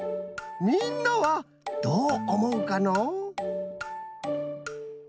みんなはどうおもうかのう？